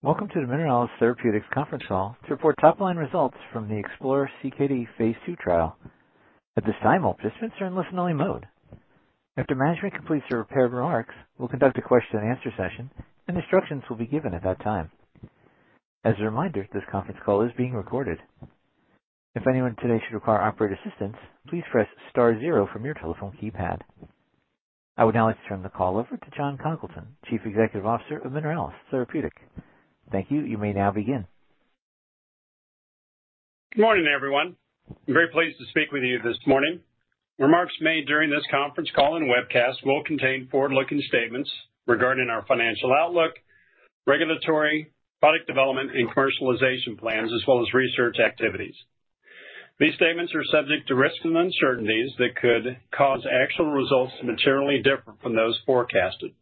Welcome to the Mineralys Therapeutics conference call to report top-line results from the Explorer-CKD phase 2 trial. At this time, all participants are in listen-only mode. After management completes their prepared remarks, we'll conduct a question-and-answer session, and instructions will be given at that time. As a reminder, this conference call is being recorded. If anyone today should require operator assistance, please press star zero from your telephone keypad. I would now like to turn the call over to Jon Congleton, CEO of Mineralys Therapeutics. Thank you. You may now begin. Good morning, everyone. I'm very pleased to speak with you this morning. Remarks made during this conference call and webcast will contain forward-looking statements regarding our financial outlook, regulatory, product development, and commercialization plans, as well as research activities. These statements are subject to risks and uncertainties that could cause actual results to materially differ from those forecasted.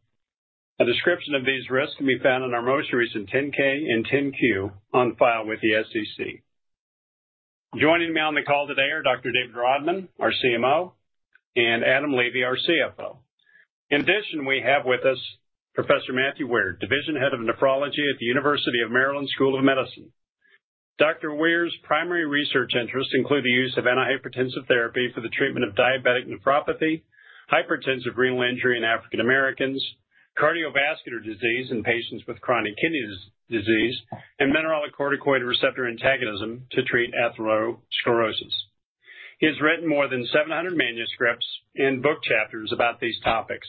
A description of these risks can be found in our most recent 10-K and 10-Q on file with the SEC. Joining me on the call today are Dr. David Rodman, our CMO, and Adam Levy, our CFO. In addition, we have with us Professor Matthew Weir, Division Head of Nephrology at the University of Maryland School of Medicine. Dr. Weir's primary research interests include the use of antihypertensive therapy for the treatment of diabetic nephropathy, hypertensive renal injury in African Americans, cardiovascular disease in patients with chronic kidney disease, and mineralocorticoid receptor antagonism to treat atherosclerosis. He has written more than 700 manuscripts and book chapters about these topics.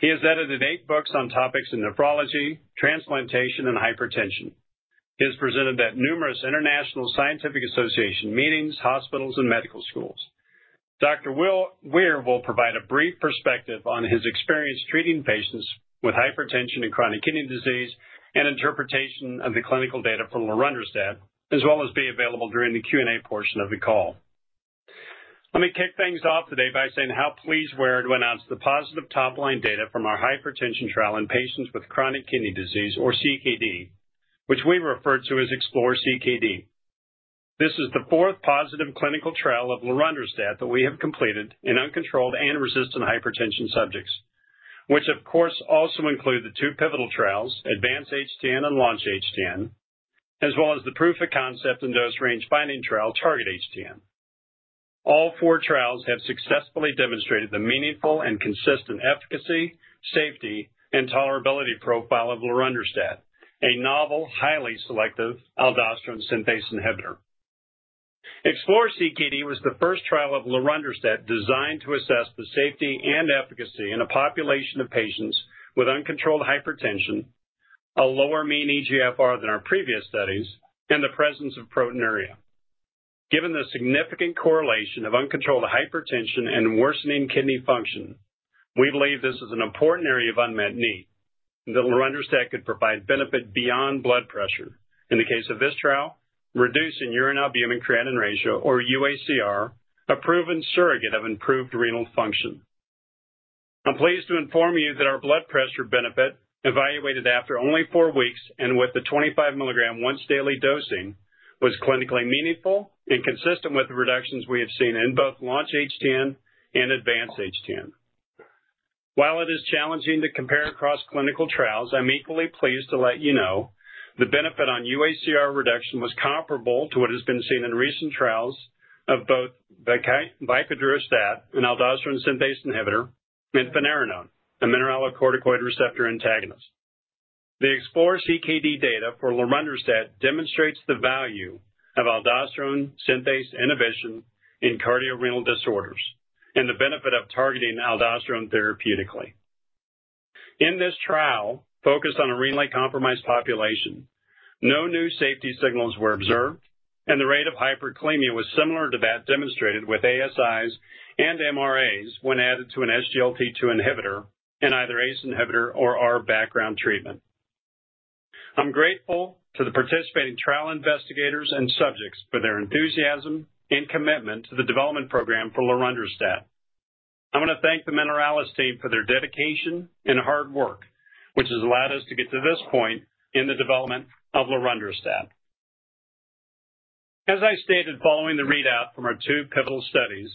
He has edited eight books on topics in nephrology, transplantation, and hypertension. He has presented at numerous international scientific association meetings, hospitals, and medical schools. Dr. Weir will provide a brief perspective on his experience treating patients with hypertension and chronic kidney disease and interpretation of the clinical data from the lorundrostat, as well as be available during the Q&A portion of the call. Let me kick things off today by saying how pleased Weir is to announce the positive top-line data from our hypertension trial in patients with chronic kidney disease, or CKD, which we refer to as Explorer-CKD. This is the fourth positive clinical trial of lorundrostat that we have completed in uncontrolled and resistant hypertension subjects, which of course also include the two pivotal trials, Advance HTN and Launch HTN, as well as the proof of concept and dose range finding trial, Target HTN. All four trials have successfully demonstrated the meaningful and consistent efficacy, safety, and tolerability profile of lorundrostat, a novel, highly selective aldosterone synthase inhibitor. Explorer CKD was the first trial of lorundrostat designed to assess the safety and efficacy in a population of patients with uncontrolled hypertension, a lower mean eGFR than our previous studies, and the presence of proteinuria. Given the significant correlation of uncontrolled hypertension and worsening kidney function, we believe this is an important area of unmet need that lorundrostat could provide benefit beyond blood pressure. In the case of this trial, reducing urine albumin creatinine ratio, or UACR, a proven surrogate of improved renal function. I'm pleased to inform you that our blood pressure benefit, evaluated after only four weeks and with the 25 mg once-daily dosing, was clinically meaningful and consistent with the reductions we have seen in both Launch HTN and Advance HTN. While it is challenging to compare across clinical trials, I'm equally pleased to let you know the benefit on UACR reduction was comparable to what has been seen in recent trials of both baxdrostat and aldosterone synthase inhibitor, and finerenone, a mineralocorticoid receptor antagonist. The Explorer CKD data for lorundrostat demonstrates the value of aldosterone synthase inhibition in cardiorenal disorders and the benefit of targeting aldosterone therapeutically. In this trial, focused on a renally compromised population, no new safety signals were observed, and the rate of hyperkalemia was similar to that demonstrated with ASIs and MRAs when added to an SGLT2 inhibitor and either ACE inhibitor or ARB background treatment. I'm grateful to the participating trial investigators and subjects for their enthusiasm and commitment to the development program for lorundrostat. I want to thank the Mineralys team for their dedication and hard work, which has allowed us to get to this point in the development of lorundrostat. As I stated following the readout from our two pivotal studies,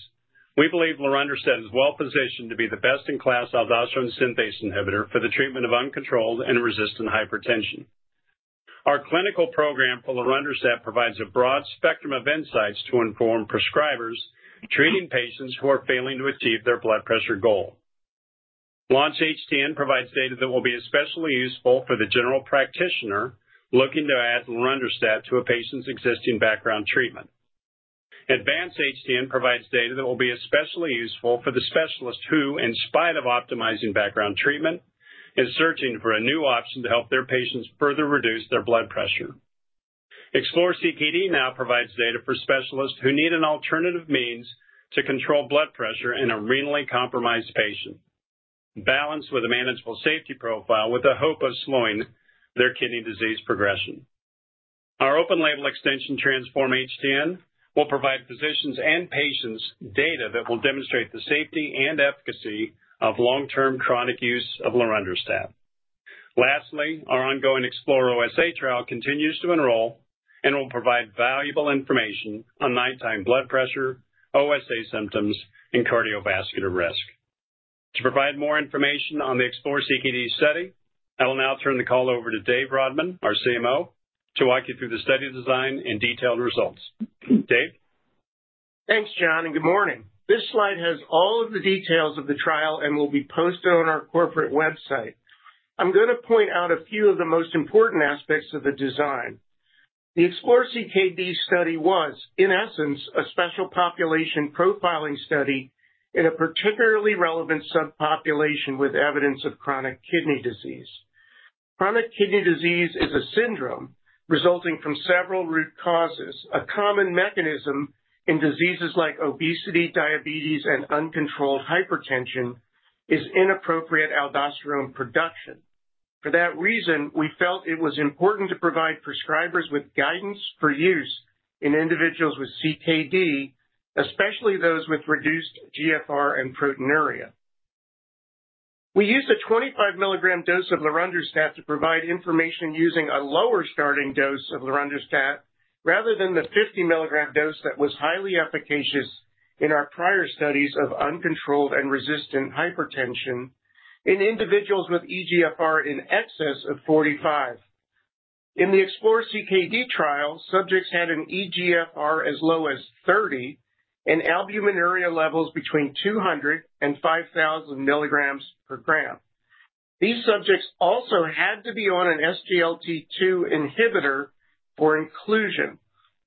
we believe lorundrostat is well positioned to be the best-in-class aldosterone synthase inhibitor for the treatment of uncontrolled and resistant hypertension. Our clinical program for lorundrostat provides a broad spectrum of insights to inform prescribers treating patients who are failing to achieve their blood pressure goal. Launch-HDN provides data that will be especially useful for the general practitioner looking to add lorundrostat to a patient's existing background treatment. Advance-HDN provides data that will be especially useful for the specialist who, in spite of optimizing background treatment, is searching for a new option to help their patients further reduce their blood pressure. Explorer-CKD now provides data for specialists who need an alternative means to control blood pressure in a renally compromised patient, balanced with a manageable safety profile with the hope of slowing their kidney disease progression. Our open-label extension Transform-HDN will provide physicians and patients data that will demonstrate the safety and efficacy of long-term chronic use of lorundrostat. Lastly, our ongoing Explorer-OSA trial continues to enroll and will provide valuable information on nighttime blood pressure, OSA symptoms, and cardiovascular risk. To provide more information on the Explorer-CKD study, I will now turn the call over to Dave Rodman, our CMO, to walk you through the study design and detailed results. Dave? Thanks, Jon, and good morning. This slide has all of the details of the trial and will be posted on our corporate website. I'm going to point out a few of the most important aspects of the design. The Explorer-CKD study was, in essence, a special population profiling study in a particularly relevant subpopulation with evidence of chronic kidney disease. Chronic kidney disease is a syndrome resulting from several root causes. A common mechanism in diseases like obesity, diabetes, and uncontrolled hypertension is inappropriate aldosterone production. For that reason, we felt it was important to provide prescribers with guidance for use in individuals with CKD, especially those with reduced eGFR and proteinuria. We used a 25mg dose of lorundrostat to provide information using a lower starting dose of lorundrostat rather than the 50mg dose that was highly efficacious in our prior studies of uncontrolled and resistant hypertension in individuals with eGFR in excess of 45. In the EXPLORER CKD trial, subjects had an eGFR as low as 30 and albuminuria levels between 200 and 5,000mgs per gram. These subjects also had to be on an SGLT2 inhibitor for inclusion.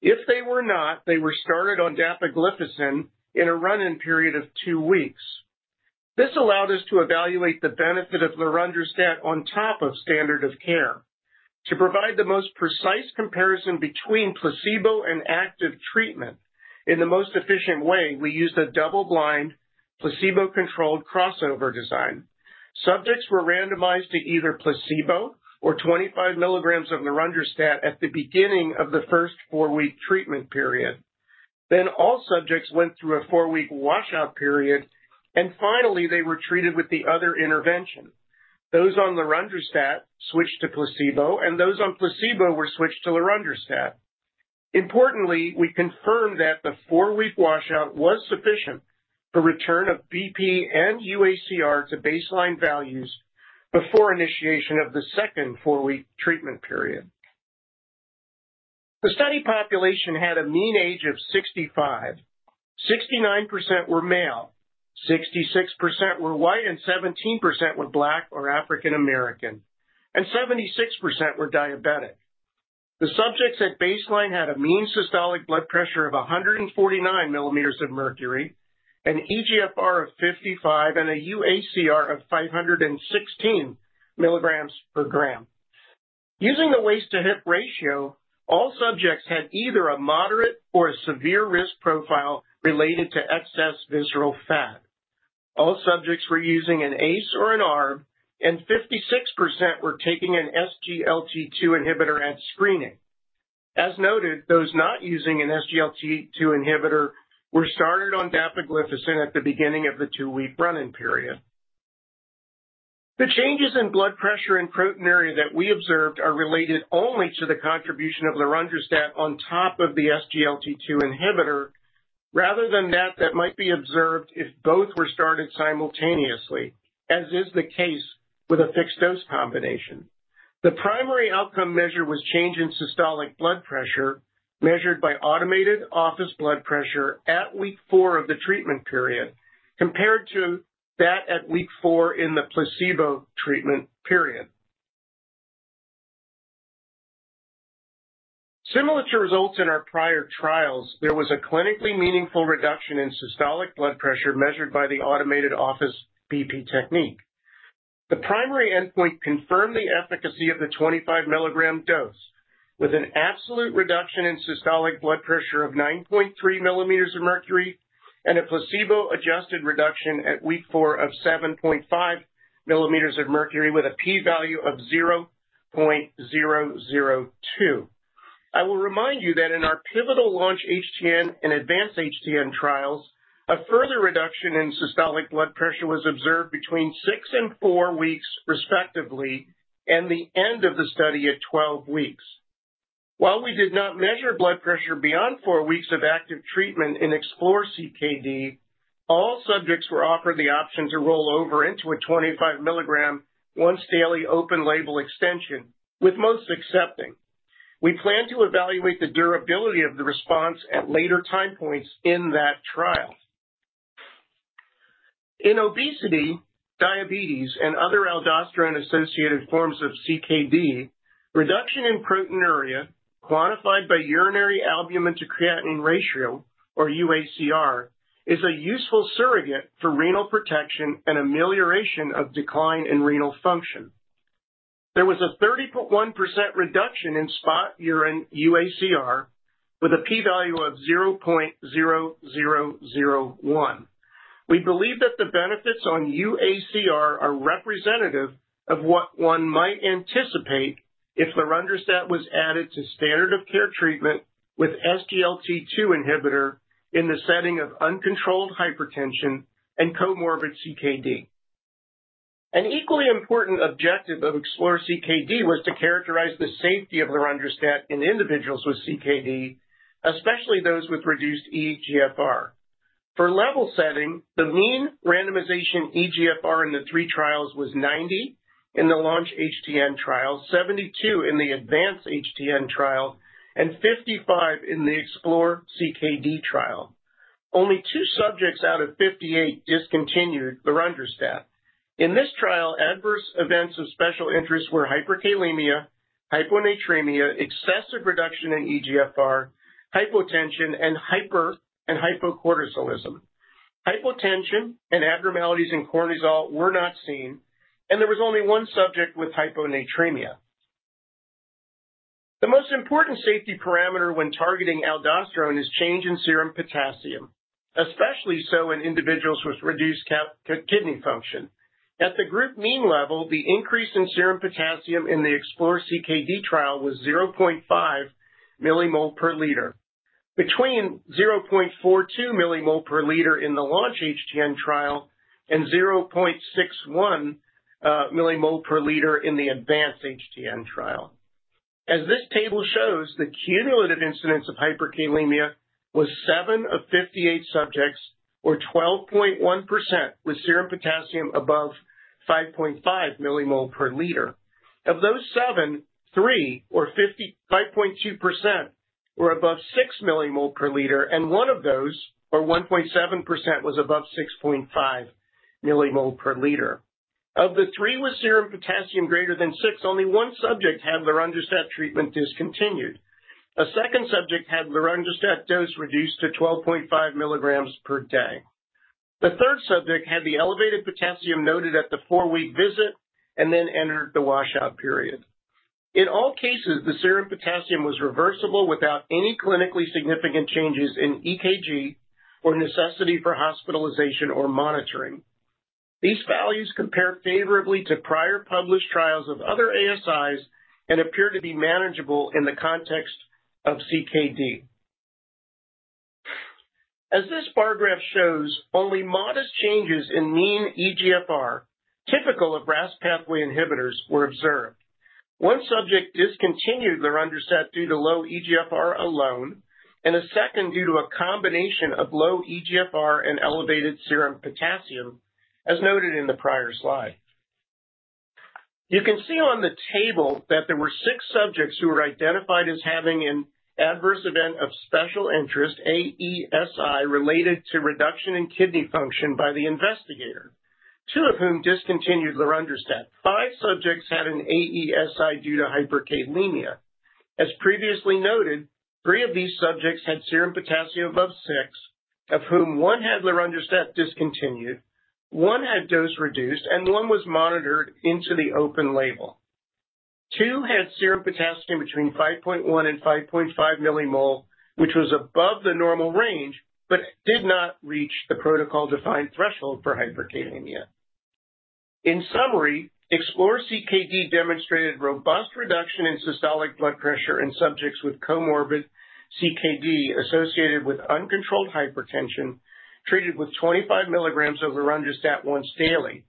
If they were not, they were started on dapagliflozin in a run-in period of 2 weeks. This allowed us to evaluate the benefit of lorundrostat on top of standard of care. To provide the most precise comparison between placebo and active treatment in the most efficient way, we used a double-blind placebo-controlled crossover design. Subjects were randomized to either placebo or 25mgs of lorundrostat at the beginning of the first four-week treatment period. Then all subjects went through a four-week washout period, and finally, they were treated with the other intervention. Those on lorundrostat switched to placebo, and those on placebo were switched to lorundrostat. Importantly, we confirmed that the four-week washout was sufficient for return of BP and UACR to baseline values before initiation of the second four-week treatment period. The study population had a mean age of 65. 69% were male, 66% were white, and 17% were Black or African American, and 76% were diabetic. The subjects at baseline had a mean systolic blood pressure of 149 mm of mercury, an eGFR of 55, and a UACR of 516mgs per gram. Using the waist-to-hip ratio, all subjects had either a moderate or a severe risk profile related to excess visceral fat. All subjects were using an ACE or an ARB, and 56% were taking an SGLT2 inhibitor at screening. As noted, those not using an SGLT2 inhibitor were started on dapagliflozin at the beginning of the two-week run-in period. The changes in blood pressure and proteinuria that we observed are related only to the contribution of lorundrostat on top of the SGLT2 inhibitor, rather than that that might be observed if both were started simultaneously, as is the case with a fixed dose combination. The primary outcome measure was change in systolic blood pressure measured by automated office blood pressure at week four of the treatment period, compared to that at week four in the placebo treatment period. Similar to results in our prior trials, there was a clinically meaningful reduction in systolic blood pressure measured by the automated office BP technique. The primary endpoint confirmed the efficacy of the 25mg dose, with an absolute reduction in systolic blood pressure of 9.3 mm of mercury and a placebo-adjusted reduction at week four of 7.5 mm of mercury with a p-value of 0.002. I will remind you that in our pivotal Launch HDN and Advance HDN trials, a further reduction in systolic blood pressure was observed between 6 and 4 weeks, respectively, and the end of the study at 12 weeks. While we did not measure blood pressure beyond four weeks of active treatment in Explorer CKD, all subjects were offered the option to roll over into a 25 mg once-daily open-label extension, with most accepting. We plan to evaluate the durability of the response at later time points in that trial. In obesity, diabetes, and other aldosterone-associated forms of CKD, reduction in proteinuria, quantified by urine albumin-to-creatinine ratio, or UACR, is a useful surrogate for renal protection and amelioration of decline in renal function. There was a 31% reduction in spot urine UACR, with a p-value of 0.0001. We believe that the benefits on UACR are representative of what one might anticipate if lorundrostat was added to standard of care treatment with SGLT2 inhibitor in the setting of uncontrolled hypertension and comorbid CKD. An equally important objective of EXPLORER CKD was to characterize the safety of lorundrostat in individuals with CKD, especially those with reduced eGFR. For level setting, the mean randomization eGFR in the three trials was 90 in the Launch HTN trial, 72 in the Advance HTN trial, and 55 in the Explorer CKD trial. Only two subjects out of 58 discontinued the lorundrostat. In this trial, adverse events of special interest were hyperkalemia, hyponatremia, excessive reduction in eGFR, hypotension, and hypocortisolism. Hypotension and abnormalities in cortisol were not seen, and there was only one subject with hyponatremia. The most important safety parameter when targeting aldosterone is change in serum potassium, especially so in individuals with reduced kidney function. At the group mean level, the increase in serum potassium in the Explorer CKD trial was 0.5 millimole per liter, between 0.42 millimole per liter in the Launch HTN trial and 0.61 millimole per liter in the Advance HTN trial. As this table shows, the cumulative incidence of hyperkalemia was 7 of 58 subjects, or 12.1%, with serum potassium above 5.5 millimole per liter. Of those 7, 3, or 5.2%, were above 6 millimole per liter, and 1 of those, or 1.7%, was above 6.5 millimole per liter. Of the 3 with serum potassium greater than 6, only 1 subject had the lorundrostat treatment discontinued. A second subject had the lorundrostat dose reduced to 12.5mgs per day. The third subject had the elevated potassium noted at the four-week visit and then entered the washout period. In all cases, the serum potassium was reversible without any clinically significant changes in EKG or necessity for hospitalization or monitoring. These values compare favorably to prior published trials of other ASIs and appear to be manageable in the context of CKD. As this bar graph shows, only modest changes in mean eGFR, typical of RAS pathway inhibitors, were observed. One subject discontinued the lorundrostat due to low eGFR alone, and a second due to a combination of low eGFR and elevated serum potassium, as noted in the prior slide. You can see on the table that there were six subjects who were identified as having an adverse event of special interest, AESI, related to reduction in kidney function by the investigator, two of whom discontinued the lorundrostat. Five subjects had an AESI due to hyperkalemia. As previously noted, three of these subjects had serum potassium above 6, of whom one had the lorundrostat discontinued, one had dose reduced, and one was monitored into the open label. Two had serum potassium between 5.1 and 5.5 millimole, which was above the normal range, but did not reach the protocol-defined threshold for hyperkalemia. In summary, EXPLORER CKD demonstrated robust reduction in systolic blood pressure in subjects with comorbid CKD associated with uncontrolled hypertension treated with 25mgs of lorundrostat once daily.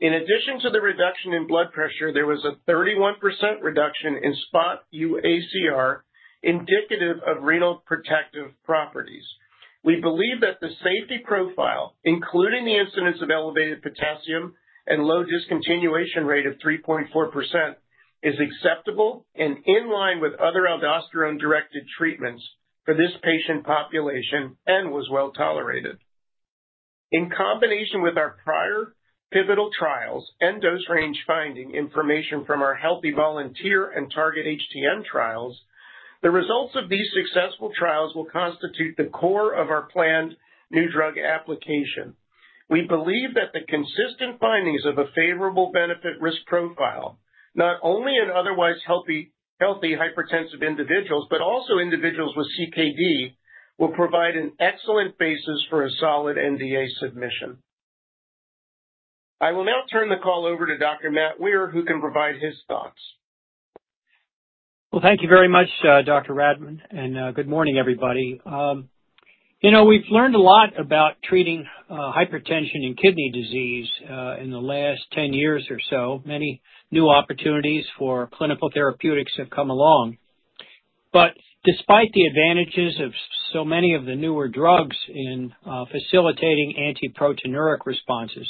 In addition to the reduction in blood pressure, there was a 31% reduction in spot UACR, indicative of renal protective properties. We believe that the safety profile, including the incidence of elevated potassium and low discontinuation rate of 3.4%, is acceptable and in line with other aldosterone-directed treatments for this patient population and was well tolerated. In combination with our prior pivotal trials and dose range finding information from our Healthy Volunteer and TARGET HTN trials, the results of these successful trials will constitute the core of our planned new drug application. We believe that the consistent findings of a favorable benefit risk profile, not only in otherwise healthy hypertensive individuals, but also individuals with CKD, will provide an excellent basis for a solid NDA submission. I will now turn the call over to Dr. Matt Weir, who can provide his thoughts. Thank you very much, Dr. Rodman, and good morning, everybody. You know, we've learned a lot about treating hypertension and kidney disease in the last 10 years or so. Many new opportunities for clinical therapeutics have come along. Despite the advantages of so many of the newer drugs in facilitating antiproteinuric responses,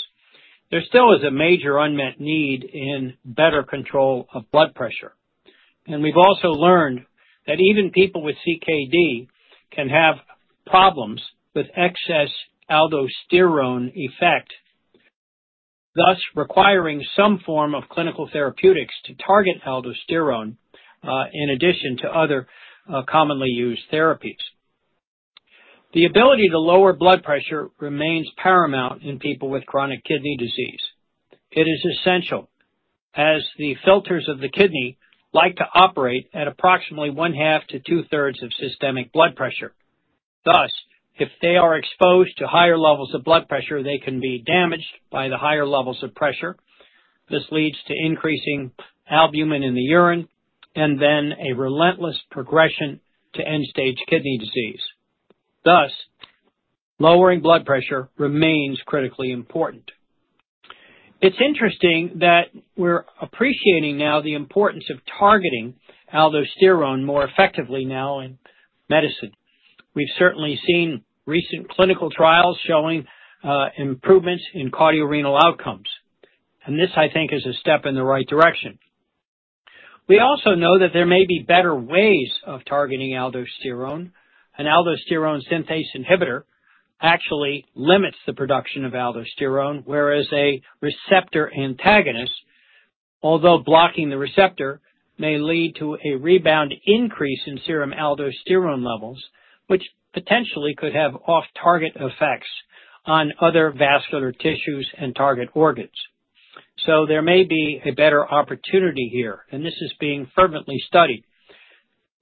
there still is a major unmet need in better control of blood pressure. We've also learned that even people with CKD can have problems with excess aldosterone effect, thus requiring some form of clinical therapeutics to target aldosterone in addition to other commonly used therapies. The ability to lower blood pressure remains paramount in people with chronic kidney disease. It is essential, as the filters of the kidney like to operate at approximately one-half to two-thirds of systemic blood pressure. Thus, if they are exposed to higher levels of blood pressure, they can be damaged by the higher levels of pressure. This leads to increasing albumin in the urine and then a relentless progression to end-stage kidney disease. Thus, lowering blood pressure remains critically important. It's interesting that we're appreciating now the importance of targeting aldosterone more effectively now in medicine. We've certainly seen recent clinical trials showing improvements in cardiorenal outcomes. This, I think, is a step in the right direction. We also know that there may be better ways of targeting aldosterone. An aldosterone synthase inhibitor actually limits the production of aldosterone, whereas a receptor antagonist, although blocking the receptor, may lead to a rebound increase in serum aldosterone levels, which potentially could have off-target effects on other vascular tissues and target organs. There may be a better opportunity here, and this is being fervently studied.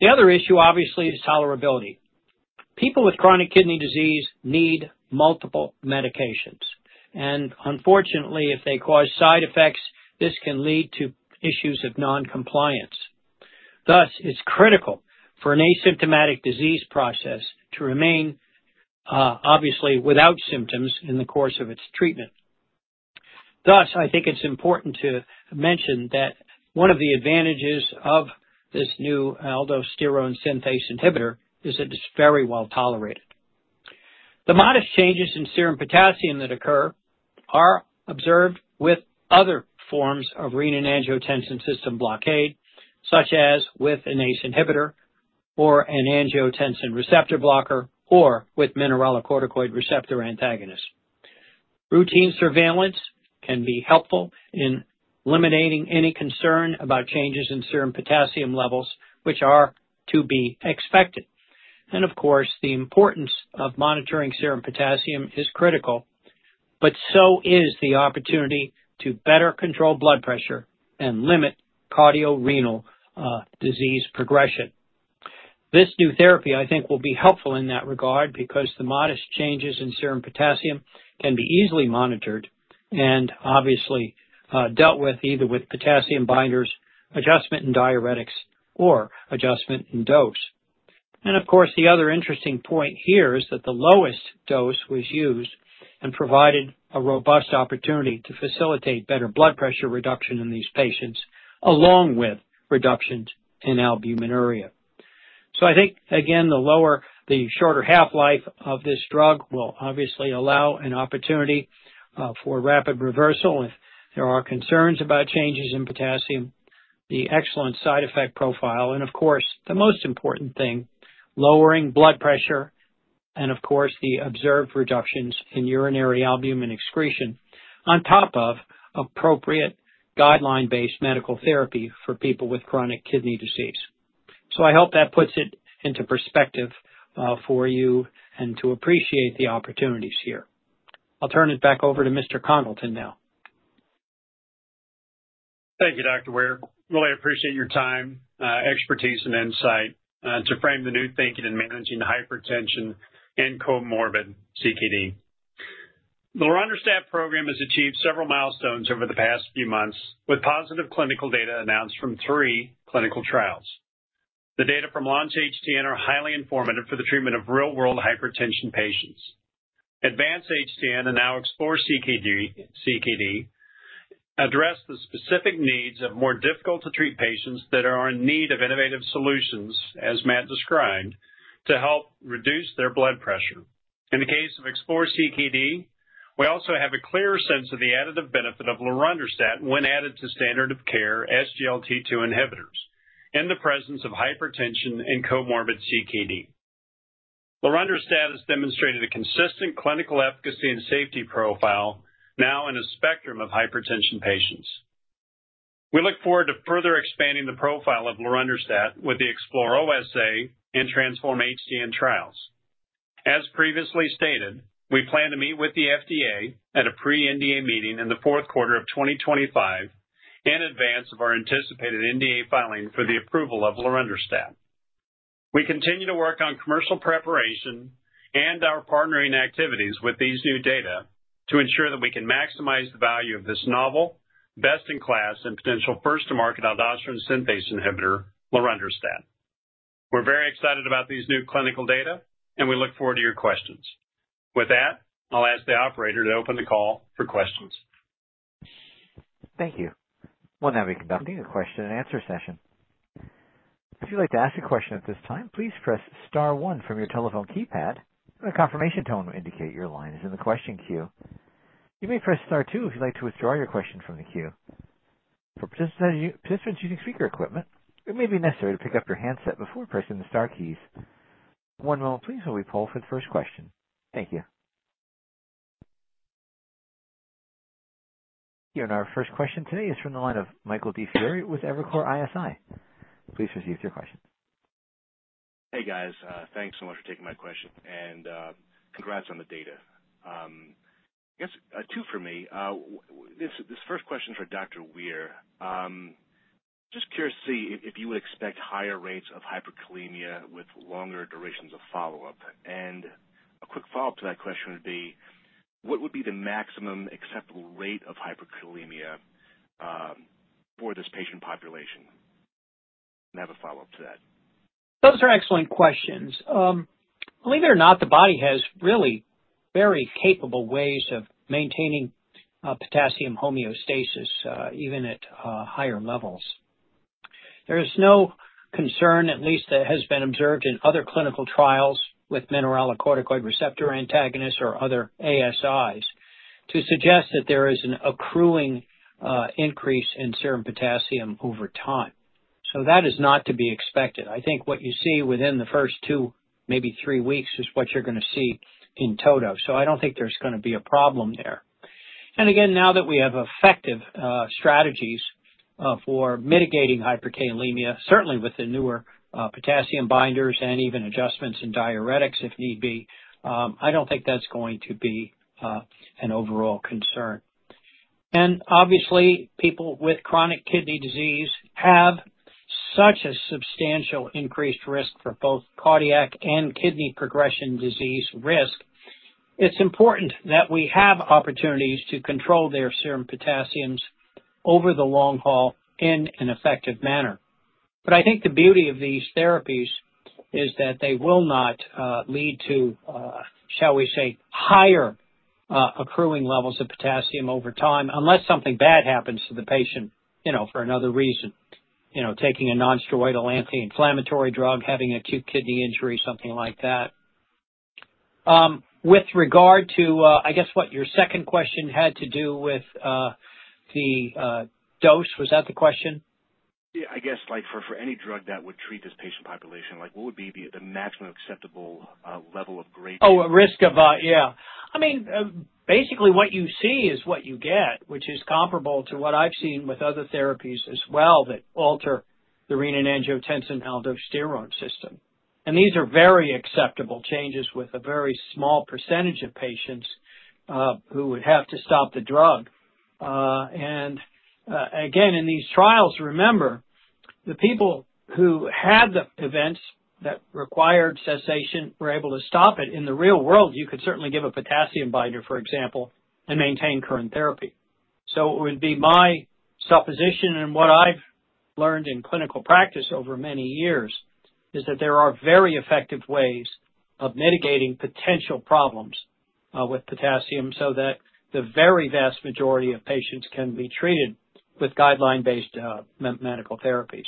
The other issue, obviously, is tolerability. People with chronic kidney disease need multiple medications. Unfortunately, if they cause side effects, this can lead to issues of noncompliance. Thus, it's critical for an asymptomatic disease process to remain, obviously, without symptoms in the course of its treatment. Thus, I think it's important to mention that one of the advantages of this new aldosterone synthase inhibitor is that it's very well tolerated. The modest changes in serum potassium that occur are observed with other forms of renin-angiotensin system blockade, such as with an ACE inhibitor or an angiotensin receptor blocker or with mineralocorticoid receptor antagonist. Routine surveillance can be helpful in eliminating any concern about changes in serum potassium levels, which are to be expected. Of course, the importance of monitoring serum potassium is critical, but so is the opportunity to better control blood pressure and limit cardiorenal disease progression. This new therapy, I think, will be helpful in that regard because the modest changes in serum potassium can be easily monitored and obviously dealt with either with potassium binders, adjustment in diuretics, or adjustment in dose. The other interesting point here is that the lowest dose was used and provided a robust opportunity to facilitate better blood pressure reduction in these patients, along with reductions in albuminuria. I think, again, the shorter half-life of this drug will obviously allow an opportunity for rapid reversal if there are concerns about changes in potassium, the excellent side effect profile, and of course, the most important thing, lowering blood pressure and of course, the observed reductions in urinary albumin excretion on top of appropriate guideline-based medical therapy for people with chronic kidney disease. I hope that puts it into perspective for you and to appreciate the opportunities here. I'll turn it back over to Mr. Congleton now. Thank you, Dr. Weir. Really appreciate your time, expertise, and insight to frame the new thinking in managing hypertension and comorbid CKD. The lorundrostat program has achieved several milestones over the past few months with positive clinical data announced from three clinical trials. The data from Launch HTN are highly informative for the treatment of real-world hypertension patients. Advance HTN and now EXPLORER CKD address the specific needs of more difficult-to-treat patients that are in need of innovative solutions, as Matt described, to help reduce their blood pressure. In the case of EXPLORER CKD, we also have a clearer sense of the additive benefit of lorundrostat when added to standard of care SGLT2 inhibitors in the presence of hypertension and comorbid CKD. Lorundrostat has demonstrated a consistent clinical efficacy and safety profile now in a spectrum of hypertension patients. We look forward to further expanding the profile of lorundrostat with the Explorer-OSA and Transform-HDN trials. As previously stated, we plan to meet with the FDA at a pre-NDA meeting in the fourth quarter of 2025 in advance of our anticipated NDA filing for the approval of lorundrostat. We continue to work on commercial preparation and our partnering activities with these new data to ensure that we can maximize the value of this novel, best-in-class, and potential first-to-market aldosterone synthase inhibitor, lorundrostat. We're very excited about these new clinical data, and we look forward to your questions. With that, I'll ask the operator to open the call for questions. Thank you. We'll now be conducting a question-and-answer session. If you'd like to ask a question at this time, please press Star one from your telephone keypad. A confirmation tone will indicate your line is in the question queue. You may press Star two if you'd like to withdraw your question from the queue. For participants using speaker equipment, it may be necessary to pick up your handset before pressing the Star keys. One moment, please, while we poll for the first question. Thank you. Our first question today is from the line of Michael DiFiore with Evercore ISI. Please proceed with your question. Hey, guys. Thanks so much for taking my question, and congrats on the data. I guess two for me. This first question is for Dr. Weir. Just curious to see if you would expect higher rates of hyperkalemia with longer durations of follow-up. A quick follow-up to that question would be, what would be the maximum acceptable rate of hyperkalemia for this patient population? I have a follow-up to that. Those are excellent questions. Believe it or not, the body has really very capable ways of maintaining potassium homeostasis even at higher levels. There is no concern, at least that has been observed in other clinical trials with mineralocorticoid receptor antagonists or other ASIs, to suggest that there is an accruing increase in serum potassium over time. That is not to be expected. I think what you see within the first two, maybe three weeks, is what you're going to see in total. I don't think there's going to be a problem there. Again, now that we have effective strategies for mitigating hyperkalemia, certainly with the newer potassium binders and even adjustments in diuretics if need be, I don't think that's going to be an overall concern. Obviously, people with chronic kidney disease have such a substantial increased risk for both cardiac and kidney progression disease risk. It's important that we have opportunities to control their serum potassiums over the long haul in an effective manner. I think the beauty of these therapies is that they will not lead to, shall we say, higher accruing levels of potassium over time unless something bad happens to the patient for another reason, taking a nonsteroidal anti-inflammatory drug, having acute kidney injury, something like that. With regard to, I guess, what your second question had to do with the dose, was that the question? Yeah. I guess for any drug that would treat this patient population, what would be the maximum acceptable level of grade? Oh, risk of, yeah. I mean, basically, what you see is what you get, which is comparable to what I've seen with other therapies as well that alter the renin-angiotensin-aldosterone system. These are very acceptable changes with a very small percentage of patients who would have to stop the drug. Again, in these trials, remember, the people who had the events that required cessation were able to stop it. In the real world, you could certainly give a potassium binder, for example, and maintain current therapy. It would be my supposition, and what I've learned in clinical practice over many years is that there are very effective ways of mitigating potential problems with potassium so that the very vast majority of patients can be treated with guideline-based medical therapy.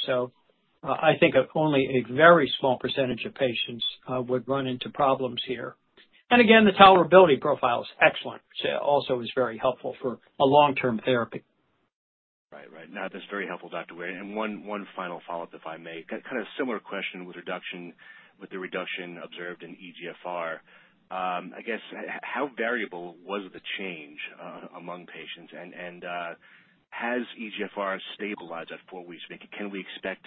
I think only a very small percentage of patients would run into problems here. The tolerability profile is excellent, which also is very helpful for a long-term therapy. Right, right. No, that's very helpful, Dr. Weir. And one final follow-up, if I may. Kind of a similar question with the reduction observed in eGFR. I guess, how variable was the change among patients? And has eGFR stabilized at four weeks? Can we expect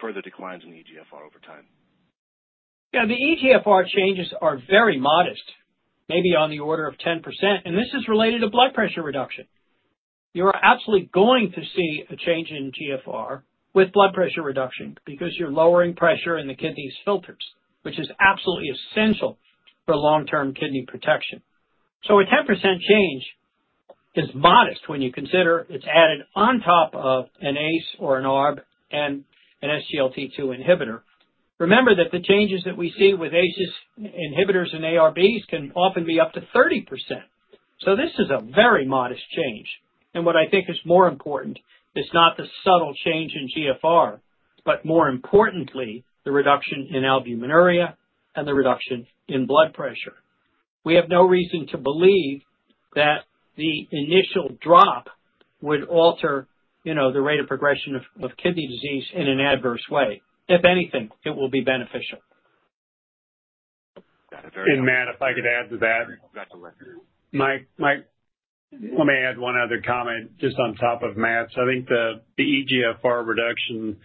further declines in eGFR over time? Yeah. The eGFR changes are very modest, maybe on the order of 10%. This is related to blood pressure reduction. You are absolutely going to see a change in GFR with blood pressure reduction because you are lowering pressure in the kidney's filters, which is absolutely essential for long-term kidney protection. A 10% change is modest when you consider it is added on top of an ACE or an ARB and an SGLT2 inhibitor. Remember that the changes that we see with ACE inhibitors and ARBs can often be up to 30%. This is a very modest change. What I think is more important is not the subtle change in GFR, but more importantly, the reduction in albuminuria and the reduction in blood pressure. We have no reason to believe that the initial drop would alter the rate of progression of kidney disease in an adverse way. If anything, it will be beneficial. Matt, if I could add to that. Let me add one other comment just on top of Matt's. I think the eGFR reduction,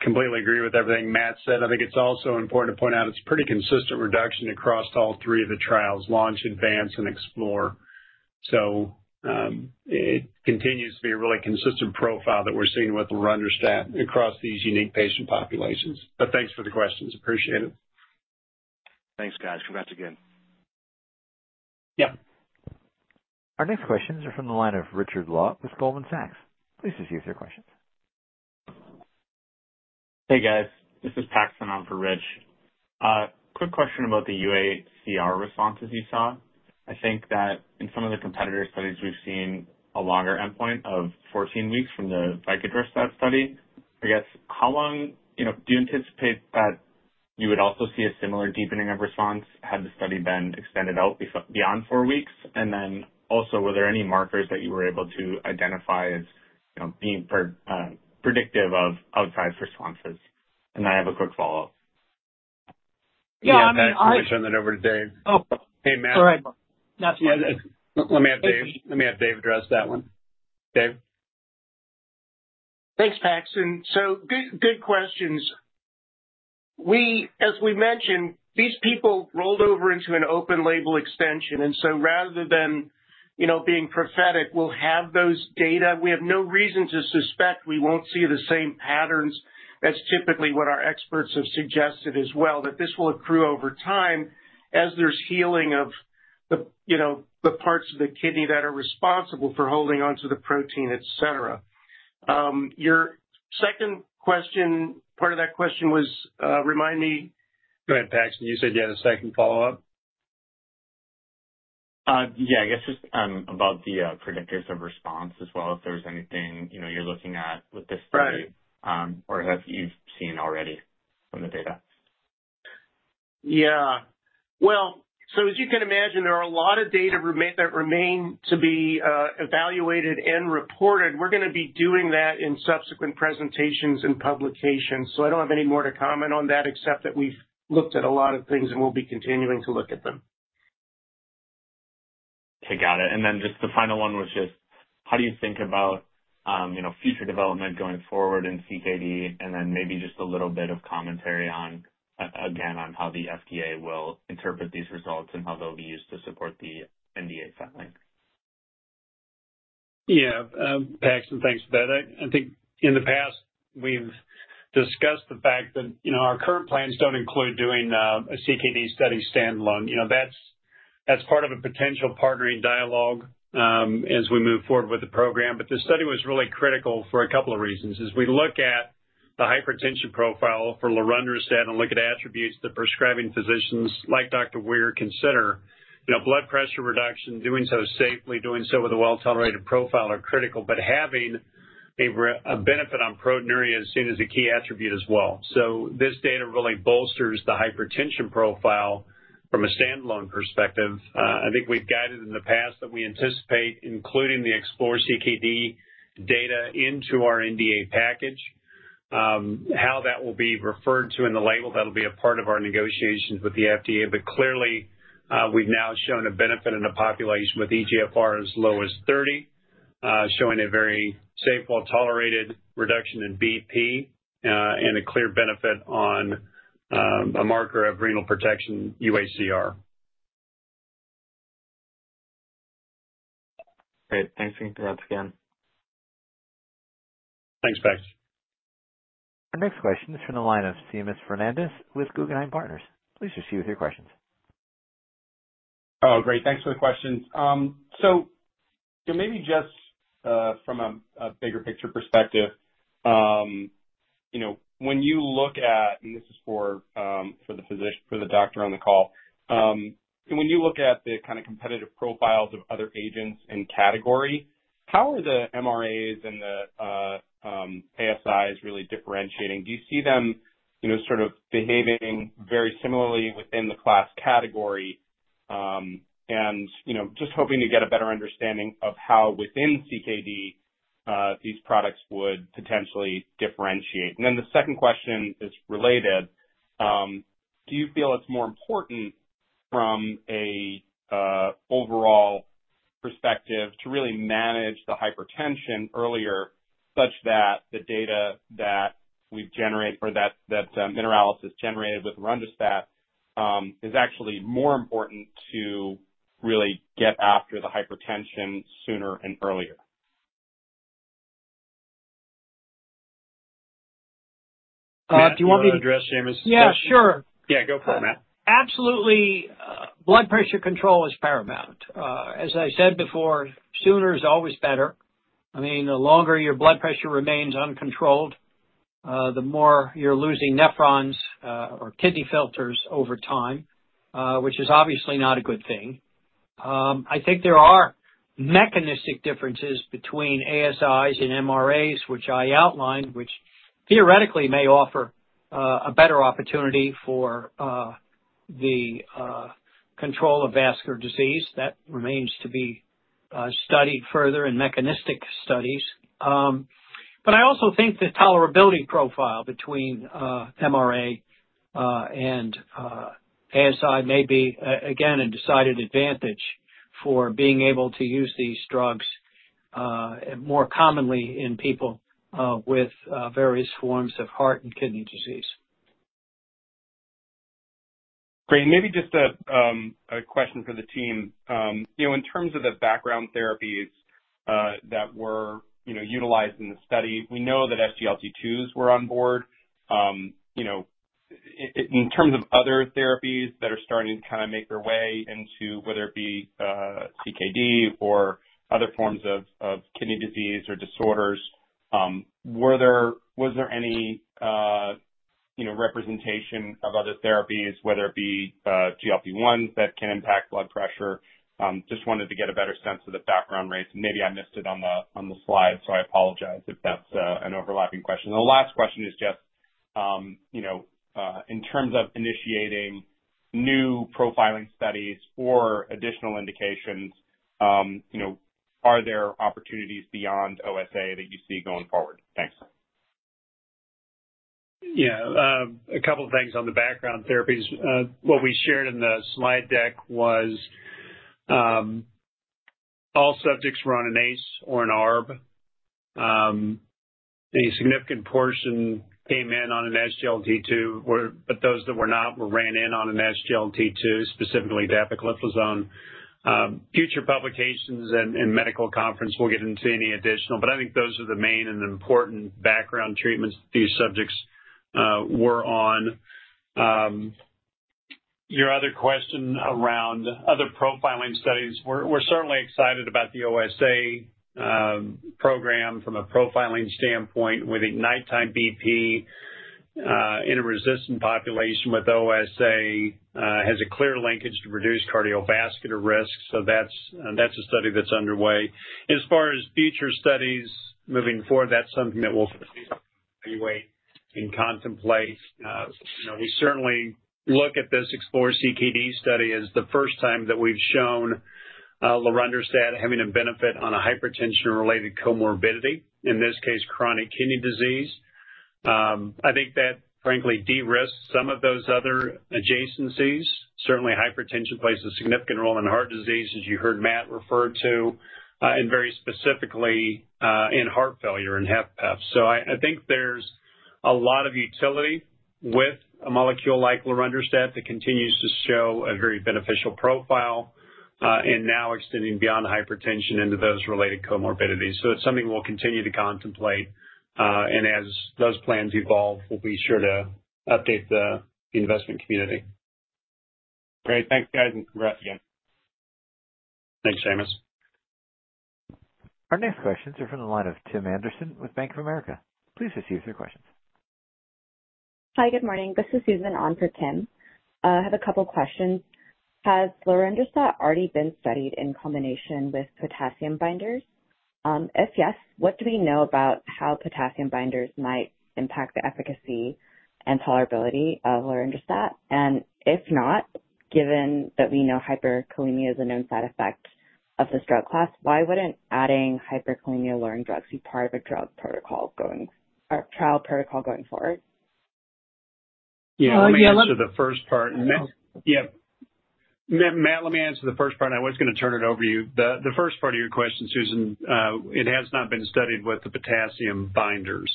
completely agree with everything Matt said. I think it's also important to point out it's a pretty consistent reduction across all three of the trials, Launch, Advance, and Explorer. It continues to be a really consistent profile that we're seeing with lorundrostat across these unique patient populations. Thanks for the questions. Appreciate it. Thanks, guys. Congrats again. Yep. Our next questions are from the line of Richard Law with Goldman Sachs. Please just use your questions. Hey, guys. This is Paxton on for Rich. Quick question about the UACR responses you saw. I think that in some of the competitor studies, we've seen a longer endpoint of 14 weeks from the Vycodrostat study. I guess, how long do you anticipate that you would also see a similar deepening of response had the study been extended out beyond four weeks? Also, were there any markers that you were able to identify as being predictive of outsized responses? I have a quick follow-up. Yeah. I mean. I'll send that over to Dave. Hey, Matt. All right. That's fine. Let me have Dave address that one. Dave? Thanks, Paxton. Good questions. As we mentioned, these people rolled over into an open-label extension. Rather than being prophetic, we'll have those data. We have no reason to suspect we won't see the same patterns. That's typically what our experts have suggested as well, that this will accrue over time as there's healing of the parts of the kidney that are responsible for holding onto the protein, etc. Your second question, part of that question was, remind me. Go ahead, Paxton. You said you had a second follow-up. Yeah. I guess just about the predictors of response as well, if there's anything you're looking at with this study or that you've seen already from the data. Yeah. As you can imagine, there are a lot of data that remain to be evaluated and reported. We're going to be doing that in subsequent presentations and publications. I don't have any more to comment on that except that we've looked at a lot of things and we'll be continuing to look at them. I got it. And then just the final one was just, how do you think about future development going forward in CKD? And then maybe just a little bit of commentary again on how the FDA will interpret these results and how they'll be used to support the NDA filing. Yeah. Paxton, thanks for that. I think in the past, we've discussed the fact that our current plans don't include doing a CKD study standalone. That's part of a potential partnering dialogue as we move forward with the program. This study was really critical for a couple of reasons. As we look at the hypertension profile for lorundrostat and look at attributes that prescribing physicians like Dr. Weir consider, blood pressure reduction, doing so safely, doing so with a well-tolerated profile are critical, but having a benefit on proteinuria is seen as a key attribute as well. This data really bolsters the hypertension profile from a standalone perspective. I think we've guided in the past that we anticipate including the EXPLORER CKD data into our NDA package, how that will be referred to in the label. That'll be a part of our negotiations with the FDA. Clearly, we've now shown a benefit in a population with eGFR as low as 30, showing a very safe, well-tolerated reduction in BP and a clear benefit on a marker of renal protection, UACR. Great. Thanks for that again. Thanks, Paxton. Our next question is from the line of Seamus Fernandez with Guggenheim Partners. Please proceed with your questions. Oh, great. Thanks for the questions. Maybe just from a bigger picture perspective, when you look at—and this is for the doctor on the call—when you look at the kind of competitive profiles of other agents and category, how are the MRAs and the ASIs really differentiating? Do you see them sort of behaving very similarly within the class category? Just hoping to get a better understanding of how within CKD these products would potentially differentiate. The second question is related. Do you feel it's more important from an overall perspective to really manage the hypertension earlier such that the data that we've generated or that Mineralys has generated with lorundrostat is actually more important to really get after the hypertension sooner and earlier? Do you want me to address CMS? Yeah. Sure. Yeah. Go for it, Matt. Absolutely. Blood pressure control is paramount. As I said before, sooner is always better. I mean, the longer your blood pressure remains uncontrolled, the more you're losing nephrons or kidney filters over time, which is obviously not a good thing. I think there are mechanistic differences between ASIs and MRAs, which I outlined, which theoretically may offer a better opportunity for the control of vascular disease. That remains to be studied further in mechanistic studies. I also think the tolerability profile between MRA and ASI may be, again, a decided advantage for being able to use these drugs more commonly in people with various forms of heart and kidney disease. Great. Maybe just a question for the team. In terms of the background therapies that were utilized in the study, we know that SGLT2s were on board. In terms of other therapies that are starting to kind of make their way into whether it be CKD or other forms of kidney disease or disorders, was there any representation of other therapies, whether it be GLP-1s that can impact blood pressure? Just wanted to get a better sense of the background rates. Maybe I missed it on the slide, so I apologize if that's an overlapping question. The last question is just, in terms of initiating new profiling studies or additional indications, are there opportunities beyond OSA that you see going forward? Thanks. Yeah. A couple of things on the background therapies. What we shared in the slide deck was all subjects were on an ACE or an ARB. A significant portion came in on an SGLT2, but those that were not were ran in on an SGLT2, specifically dapagliflozin. Future publications and medical conference, we'll get into any additional. I think those are the main and important background treatments these subjects were on. Your other question around other profiling studies, we're certainly excited about the OSA program from a profiling standpoint with nighttime BP in a resistant population with OSA. It has a clear linkage to reduce cardiovascular risks. That's a study that's underway. As far as future studies moving forward, that's something that we'll evaluate and contemplate. We certainly look at this EXPLORER CKD study as the first time that we've shown lorundrostat having a benefit on a hypertension-related comorbidity, in this case, chronic kidney disease. I think that, frankly, de-risked some of those other adjacencies. Certainly, hypertension plays a significant role in heart disease, as you heard Matt refer to, and very specifically in heart failure and HFpEF. I think there's a lot of utility with a molecule like lorundrostat that continues to show a very beneficial profile and now extending beyond hypertension into those related comorbidities. It is something we'll continue to contemplate. As those plans evolve, we'll be sure to update the investment community. Great. Thanks, guys. And congrats again. Thanks, CMS. Our next questions are from the line of Tim Anderson with Bank of America. Please proceed with your questions. Hi. Good morning. This is Susan on for Tim. I have a couple of questions. Has lorundrostat already been studied in combination with potassium binders? If yes, what do we know about how potassium binders might impact the efficacy and tolerability of lorundrostat? If not, given that we know hyperkalemia is a known side effect of this drug class, why would not adding hyperkalemia-lowering drugs be part of a trial protocol going forward? Yeah. Let me answer the first part. Yeah. Matt, let me answer the first part. I was going to turn it over to you. The first part of your question, Susan, it has not been studied with the potassium binders.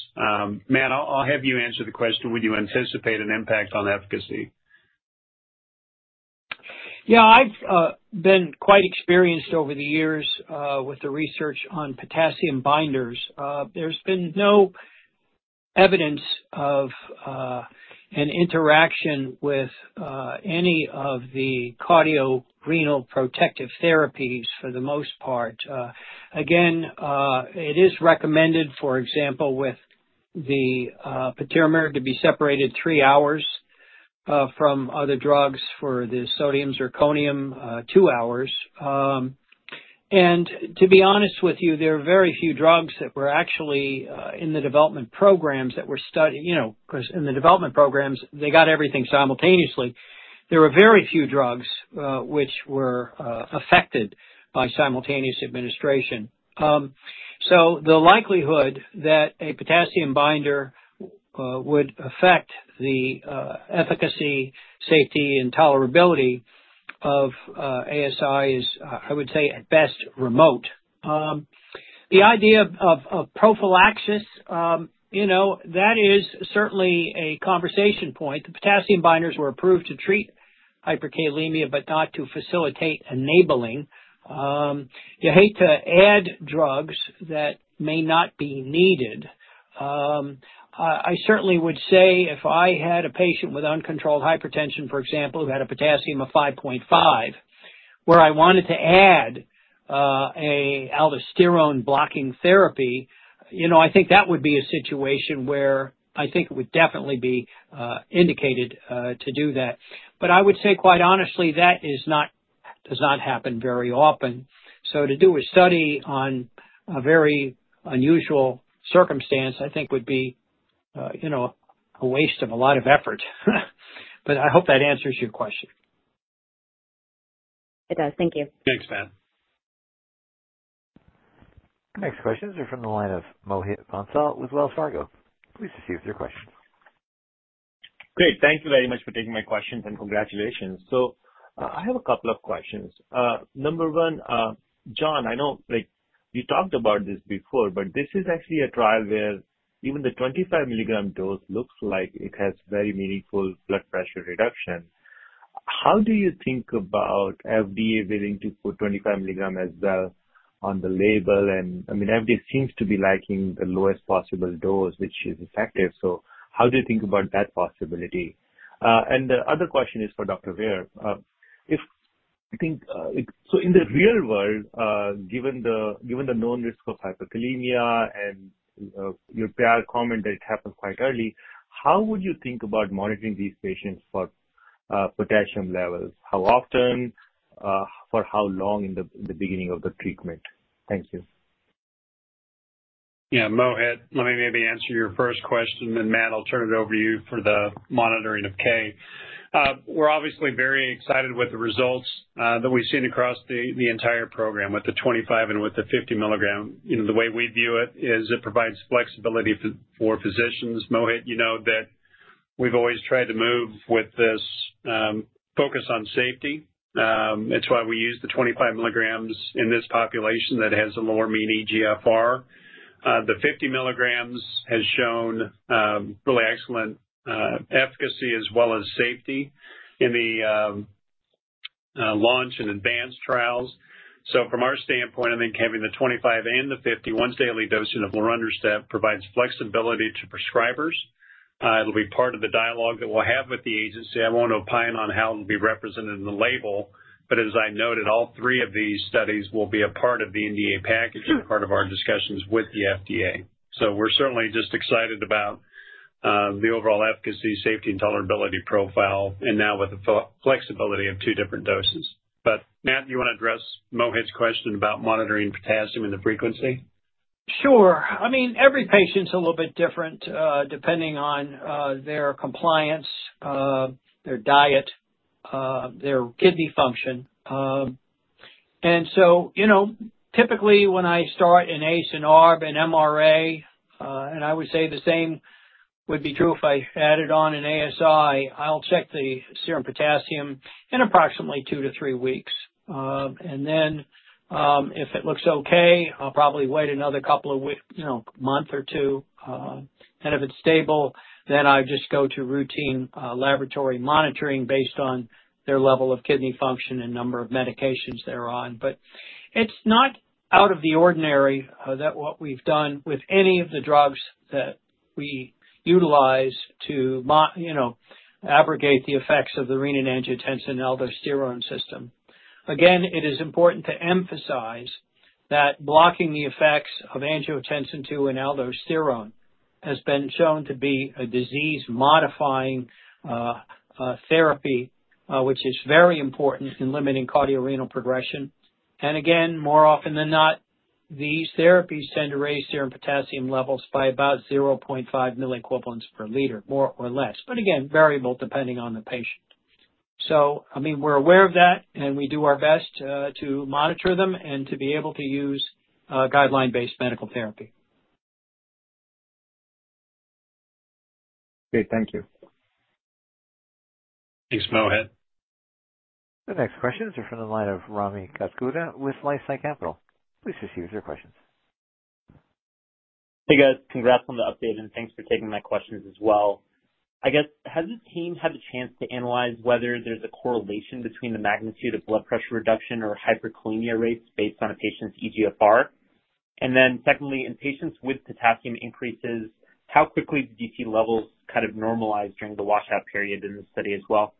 Matt, I'll have you answer the question. Would you anticipate an impact on efficacy? Yeah. I've been quite experienced over the years with the research on potassium binders. There's been no evidence of an interaction with any of the cardiorenal protective therapies, for the most part. Again, it is recommended, for example, with the patiromer to be separated three hours from other drugs, for the sodium zirconium, 2 hours. And to be honest with you, there are very few drugs that were actually in the development programs that were studied because in the development programs, they got everything simultaneously. There were very few drugs which were affected by simultaneous administration. The likelihood that a potassium binder would affect the efficacy, safety, and tolerability of ASI is, I would say, at best, remote. The idea of prophylaxis, that is certainly a conversation point. The potassium binders were approved to treat hyperkalemia but not to facilitate enabling. You hate to add drugs that may not be needed. I certainly would say if I had a patient with uncontrolled hypertension, for example, who had a potassium of 5.5, where I wanted to add an aldosterone-blocking therapy, I think that would be a situation where I think it would definitely be indicated to do that. I would say, quite honestly, that does not happen very often. To do a study on a very unusual circumstance, I think, would be a waste of a lot of effort. I hope that answers your question. It does. Thank you. Thanks, Matt. Next questions are from the line of Mohit Vansal with Wells Fargo. Please proceed with your questions. Great. Thank you very much for taking my questions and congratulations. I have a couple of questions. Number one, Jon, I know you talked about this before, but this is actually a trial where even the 25mg dose looks like it has very meaningful blood pressure reduction. How do you think about FDA willing to put 25mg as well on the label? I mean, FDA seems to be liking the lowest possible dose, which is effective. How do you think about that possibility? The other question is for Dr. Weir. In the real world, given the known risk of hyperkalemia and your prior comment that it happens quite early, how would you think about monitoring these patients for potassium levels? How often? For how long in the beginning of the treatment? Thank you. Yeah. Mohit, let me maybe answer your first question, and Matt, I'll turn it over to you for the monitoring of K. We're obviously very excited with the results that we've seen across the entire program with the 25 and with the 50mg. The way we view it is it provides flexibility for physicians. Mohit, you know that we've always tried to move with this focus on safety. It's why we use the 25mgs in this population that has a lower mean eGFR. The 50mgs has shown really excellent efficacy as well as safety in the LAUNCH HTN and ADVANCE HTN trials. From our standpoint, I think having the 25 and the 50, once-daily dosing of lorundrostat provides flexibility to prescribers. It'll be part of the dialogue that we'll have with the agency. I won't opine on how it'll be represented in the label, but as I noted, all three of these studies will be a part of the NDA package and part of our discussions with the FDA. We're certainly just excited about the overall efficacy, safety, and tolerability profile, and now with the flexibility of 2 different doses. Matt, you want to address Mohit's question about monitoring potassium and the frequency? Sure. I mean, every patient's a little bit different depending on their compliance, their diet, their kidney function. Typically, when I start an ACE and ARB, an MRA, and I would say the same would be true if I added on an ASI, I'll check the serum potassium in approximately two to three weeks. If it looks okay, I'll probably wait another couple of months or two. If it's stable, then I just go to routine laboratory monitoring based on their level of kidney function and number of medications they're on. It's not out of the ordinary that what we've done with any of the drugs that we utilize to abrogate the effects of the renin-angiotensin aldosterone system. Again, it is important to emphasize that blocking the effects of angiotensin II and aldosterone has been shown to be a disease-modifying therapy, which is very important in limiting cardiorenal progression. Again, more often than not, these therapies tend to raise serum potassium levels by about 0.5 milliequivalents per liter, more or less, but variable depending on the patient. I mean, we're aware of that, and we do our best to monitor them and to be able to use guideline-based medical therapy. Great. Thank you. Thanks, Mohit. The next questions are from the line of Rami Katkhuda with LifeSci Capital. Please proceed with your questions. Hey, guys. Congrats on the update, and thanks for taking my questions as well. I guess, has the team had the chance to analyze whether there's a correlation between the magnitude of blood pressure reduction or hyperkalemia rates based on a patient's eGFR? And then secondly, in patients with potassium increases, how quickly did you see levels kind of normalize during the washout period in the study as well?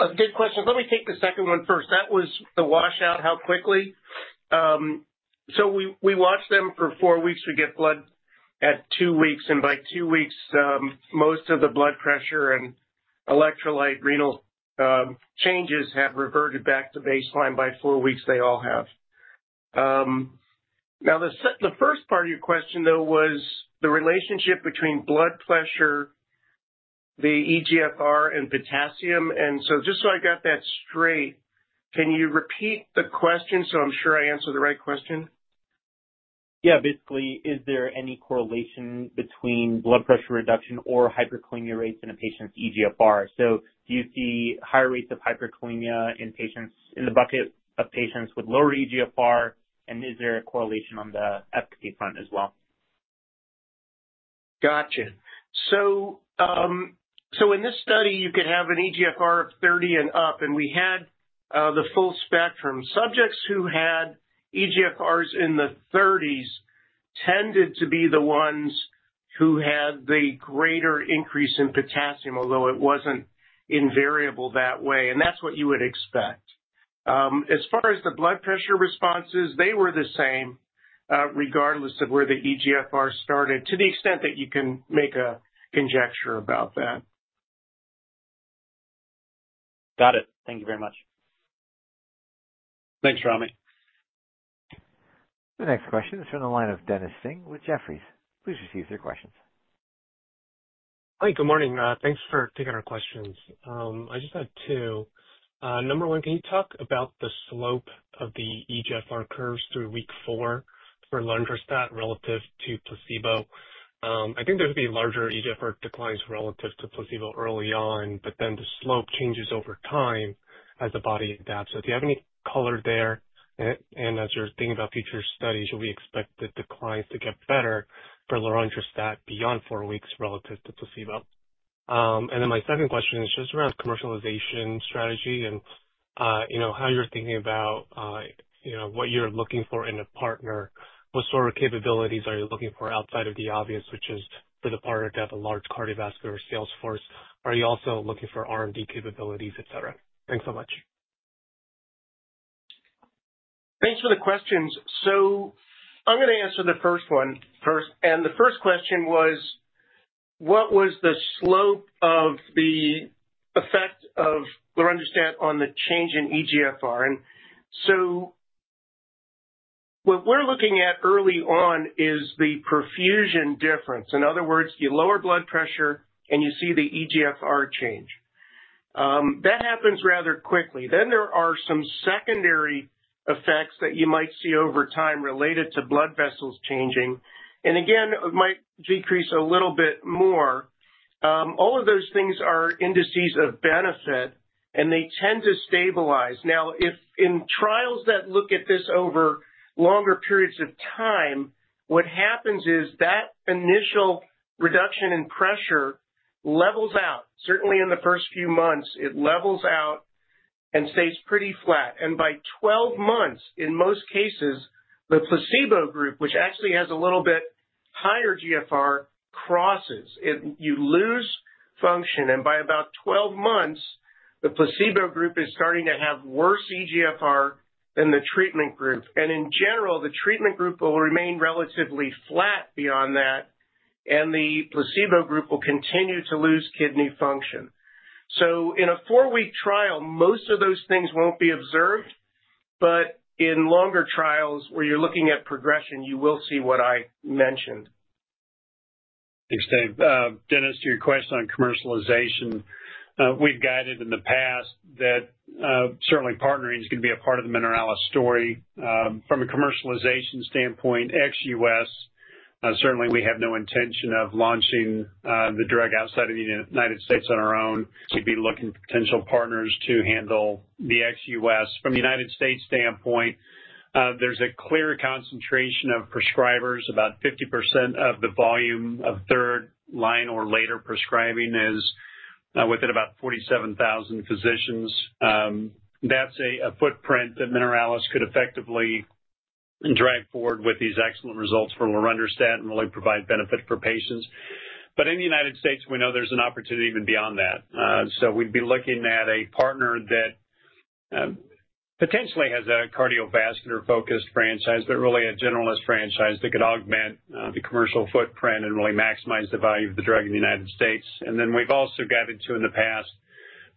A good question. Let me take the second one first. That was the washout, how quickly? We watched them for 4 weeks. We get blood at two weeks. By 2 weeks, most of the blood pressure and electrolyte renal changes have reverted back to baseline. By four weeks, they all have. Now, the first part of your question, though, was the relationship between blood pressure, the eGFR, and potassium. Just so I got that straight, can you repeat the question so I'm sure I answered the right question? Yeah. Basically, is there any correlation between blood pressure reduction or hyperkalemia rates in a patient's eGFR? Do you see higher rates of hyperkalemia in the bucket of patients with lower eGFR? Is there a correlation on the efficacy front as well? Gotcha. In this study, you could have an eGFR of 30 and up, and we had the full spectrum. Subjects who had eGFRs in the 30s tended to be the ones who had the greater increase in potassium, although it was not invariable that way. That is what you would expect. As far as the blood pressure responses, they were the same regardless of where the eGFR started, to the extent that you can make a conjecture about that. Got it. Thank you very much. Thanks, Rami. The next question is from the line of Dennis Ding with Jefferies. Please proceed with your questions. Hi. Good morning. Thanks for taking our questions. I just had 1. Number 1, can you talk about the slope of the eGFR curves through week four for lorundrostat relative to placebo? I think there's going to be larger eGFR declines relative to placebo early on, but then the slope changes over time as the body adapts. Do you have any color there? As you're thinking about future studies, should we expect the declines to get better for lorundrostat beyond four weeks relative to placebo? My second question is just around commercialization strategy and how you're thinking about what you're looking for in a partner. What sort of capabilities are you looking for outside of the obvious, which is for the partner to have a large cardiovascular sales force? Are you also looking for R&D capabilities, etc.? Thanks so much. Thanks for the questions. I'm going to answer the first one first. The first question was, what was the slope of the effect of lorundrostat on the change in eGFR? What we're looking at early on is the perfusion difference. In other words, you lower blood pressure, and you see the eGFR change. That happens rather quickly. There are some secondary effects that you might see over time related to blood vessels changing. It might decrease a little bit more. All of those things are indices of benefit, and they tend to stabilize. In trials that look at this over longer periods of time, what happens is that initial reduction in pressure levels out. Certainly, in the first few months, it levels out and stays pretty flat. By 12 months, in most cases, the placebo group, which actually has a little bit higher eGFR, crosses. You lose function. By about 12 months, the placebo group is starting to have worse eGFR than the treatment group. In general, the treatment group will remain relatively flat beyond that, and the placebo group will continue to lose kidney function. In a four-week trial, most of those things will not be observed. In longer trials where you are looking at progression, you will see what I mentioned. Understood. Dennis, to your question on commercialization, we've guided in the past that certainly partnering is going to be a part of the Mineralys story. From a commercialization standpoint, ex-U.S., certainly we have no intention of launching the drug outside of theU.S. on our own. We'd be looking for potential partners to handle the ex-U.S. From the U.S. standpoint, there's a clear concentration of prescribers. About 50% of the volume of third-line or later prescribing is within about 47,000 physicians. That's a footprint that Mineralys could effectively drive forward with these excellent results for lorundrostat and really provide benefit for patients. In the U.S., we know there's an opportunity even beyond that. We'd be looking at a partner that potentially has a cardiovascular-focused franchise, but really a generalist franchise that could augment the commercial footprint and really maximize the value of the drug in the U.S.. We've also guided to, in the past,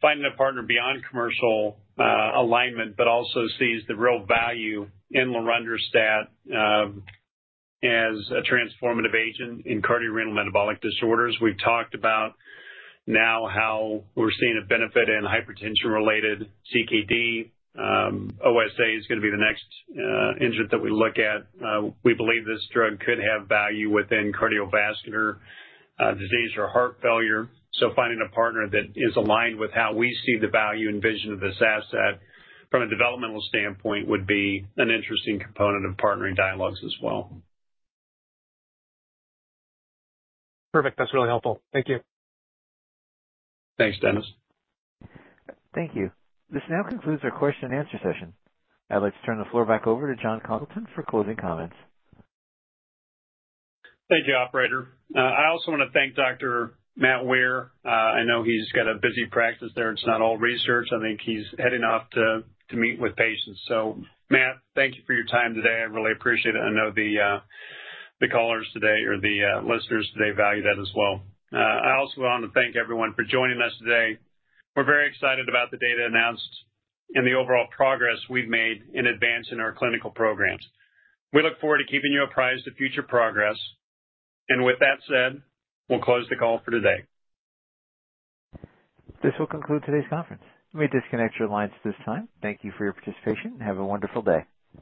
finding a partner beyond commercial alignment, but also sees the real value in lorundrostat as a transformative agent in cardiorenal metabolic disorders. We've talked about now how we're seeing a benefit in hypertension-related CKD. OSA is going to be the next engine that we look at. We believe this drug could have value within cardiovascular disease or heart failure. Finding a partner that is aligned with how we see the value and vision of this asset from a developmental standpoint would be an interesting component of partnering dialogues as well. Perfect. That's really helpful. Thank you. Thanks, Dennis. Thank you. This now concludes our question-and-answer session. I'd like to turn the floor back over to Jon Congleton for closing comments. Thank you, Operator. I also want to thank Dr. Matt Weir. I know he's got a busy practice there. It's not all research. I think he's heading off to meet with patients. So Matt, thank you for your time today. I really appreciate it. I know the callers today or the listeners today value that as well. I also want to thank everyone for joining us today. We're very excited about the data announced and the overall progress we've made in advance in our clinical programs. We look forward to keeping you apprised of future progress. With that said, we'll close the call for today. This will conclude today's conference. Let me disconnect your lines at this time. Thank you for your participation. Have a wonderful day.